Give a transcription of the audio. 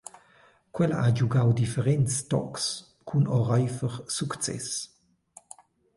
Quella ha giugau differents tocs cun oreifer success.